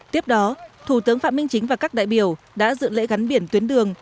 tiếp đó thủ tướng phạm minh chính và các đại biểu đã dự lễ gắn biển tuyến đường